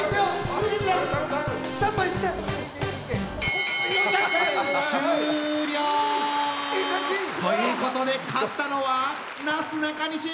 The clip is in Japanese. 終了！ということで勝ったのはなすなかにし！